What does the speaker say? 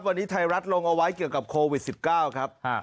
วันนี้ไทยรัฐลงเอาไว้เกี่ยวกับโควิด๑๙ครับ